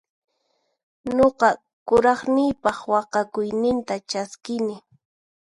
Nuqa kuraqniypaq waqhakuyninta chaskini.